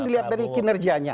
dilihat dari kinerjanya